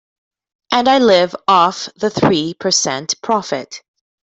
And I live off the three percent profit.